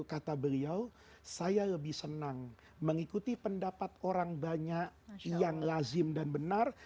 kata beliau saya lebih senang mengikuti pendapat orang banyak yang lazim dan benar